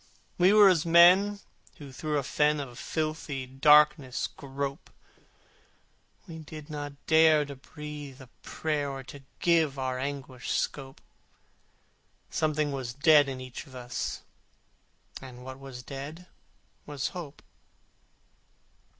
We were as men who through a fen Of filthy darkness grope: We did not dare to breathe a prayer, Or to give our anguish scope: Something was dead in each of us, And what was dead was Hope.